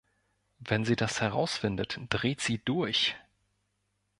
Wenn sie das herausfindet, dreht sie durch.